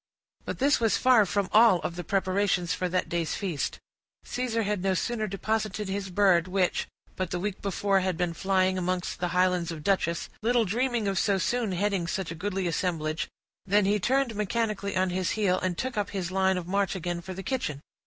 But this was far from all of the preparations for that day's feast; Caesar had no sooner deposited his bird, which, but the week before, had been flying amongst the highlands of Dutchess, little dreaming of so soon heading such a goodly assemblage, than he turned mechanically on his heel, and took up his line of march again for the kitchen.